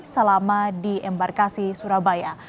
selama di embarkasi surabaya